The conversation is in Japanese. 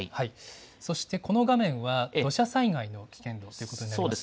そしてこの画面は土砂災害の危険度ということになりますね。